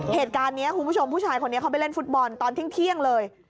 เหตุการณ์นี้คุณผู้ชมผู้ชายคนนี้เขาไปเล่นฟุตบอลตอนเที่ยงเลย